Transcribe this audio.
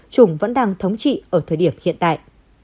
trùng vẫn đang thống trị ở thời điểm hiện tại